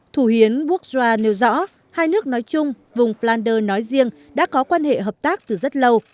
thủ hiến bukra nêu rõ hai nước nói chung vùng flander nói riêng đã có quan hệ hợp tác từ rất lâu